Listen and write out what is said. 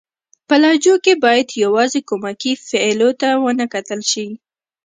په لهجو کښي بايد يوازي کومکي فعلو ته و نه کتل سي.